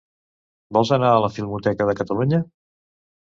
Vols anar a la Filmoteca de Catalunya?